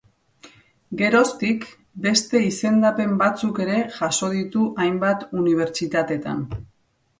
Geroztik, beste izendapen batzuk ere jaso ditu hainbat unibertsitatetan.